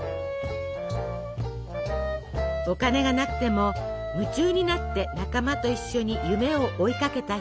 お金がなくても夢中になって仲間と一緒に夢を追いかけた日々。